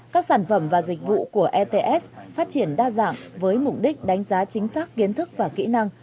các sản phẩm và dịch vụ của ets phát triển đa dạng với mục đích đánh giá chính xác kiến thức và kỹ năng